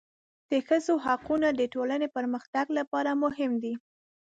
د ښځو حقونه د ټولنې پرمختګ لپاره مهم دي.